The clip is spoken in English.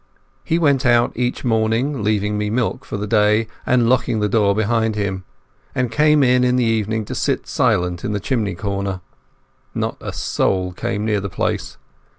He went out each morning, leaving me milk for the day, and locking the door behind him; and came in in the evening to sit silent in the chimney corner. Not a soul came near the place.